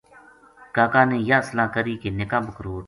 کاکا نے یاہ صلاح کری کہ نِکا بکروٹ